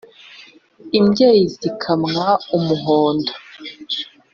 imbyeyi zikamwa umuhondo